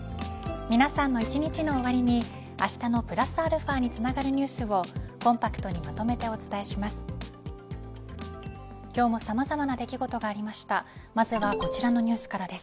皆さんの一日の終わりにあしたのプラスαにつながるニュースをコンパクトにまとめてお伝えします。